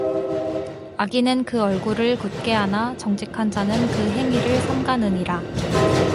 악인은 그 얼굴을 굳게 하나 정직한 자는 그 행위를 삼가느니라